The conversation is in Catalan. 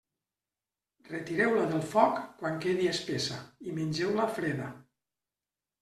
Retireu-la del foc quan quedi espessa i mengeu-la freda.